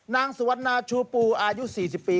นางสุวรรณาชูปูอายุ๔๐ปี